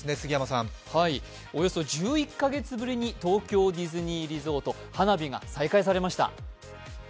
およそ１１カ月ぶりに東京ディズニーリゾートで花火が再開されました。